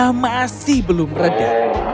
dia masih belum berada